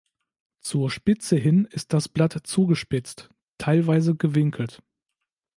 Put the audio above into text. Zur Spitze hin ist das Blatt zugespitzt, teilweise gewinkelt.